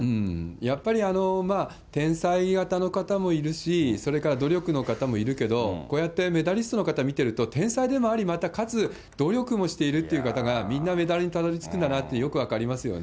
やっぱりまあ、天才型の方もいるし、それから努力の方もいるけど、こうやってメダリストの方を見てると、天才でもあり、また、かつ、努力もしているという方が、みんなメダルにたどりつくんだなって、よく分かりますよね。